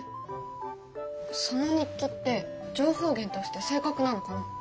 その日記って情報源として正確なのかな？